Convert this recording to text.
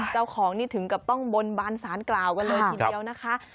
เจ้าของนี่ถึงกับต้องบนบานสารกล่าวกันเลยทีเดียวนะคะ